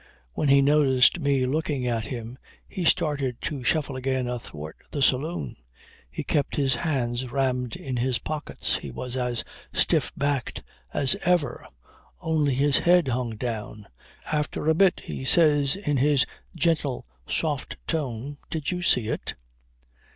When he noticed me looking at him he started to shuffle again athwart the saloon. He kept his hands rammed in his pockets, he was as stiff backed as ever, only his head hung down. After a bit he says in his gentle soft tone: "Did you see it?"